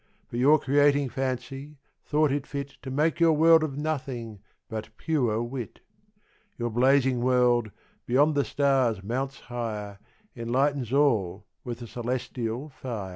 But your Creating Fancy, thought it fit To make your World of Nothing, but pure Wit. Your Blazing World, beyond the Stars mounts higher, Enlightens all with a Cœlestial Fier.